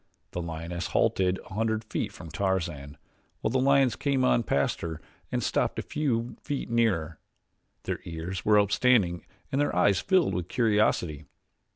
The lioness halted a hundred feet from Tarzan, while the lions came on past her and stopped a few feet nearer. Their ears were upstanding and their eyes filled with curiosity.